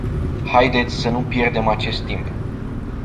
Haideți să nu pierdem acest timp.